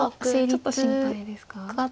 ちょっと心配ですか？